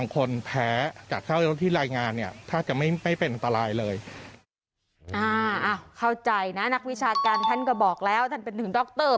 เข้าใจนะนักวิชาการท่านก็บอกแล้วท่านเป็นถึงดร